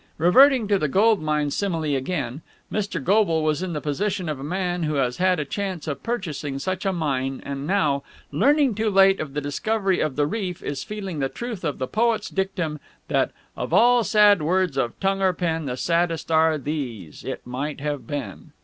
Reverting to the gold mine simile again, Mr. Goble was in the position of a man who has had a chance of purchasing such a mine and now, learning too late of the discovery of the reef, is feeling the truth of the poet's dictum that "of all sad words of tongue or pen, the saddest are these: 'It might have been.'"